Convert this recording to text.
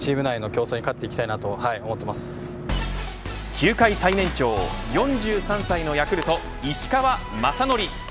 球界最年長４３歳のヤクルト石川雅規。